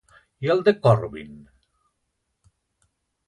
I el de Corbyn?